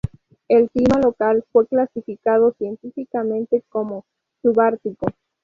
El clima local fue clasificado científicamente como "subártico".